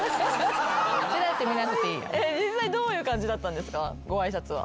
実際どういう感じだったんですかご挨拶は。